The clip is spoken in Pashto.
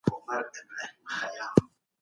هغه وایي چي دولت باید د کلیسا په خدمت کي وي.